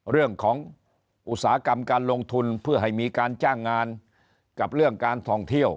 อุตสาหกรรมการลงทุนเพื่อให้มีการจ้างงานกับเรื่องการท่องเที่ยว